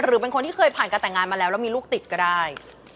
หรือเป็นคนที่เคยผ่านการแต่งงานมาแล้วแล้วมีลูกติดก็ได้